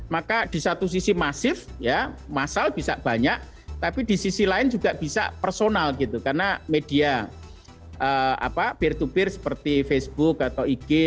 maka di satu sisi masif ya massal bisa banyak tapi di sisi lain juga bisa personal gitu karena media peer to peer seperti facebook atau ig